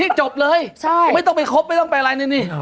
นี่จบเลยไม่ต้องไปคบไม่ต้องไปอะไรนี่